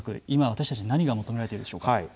今、私たちに何が求められているでしょうか。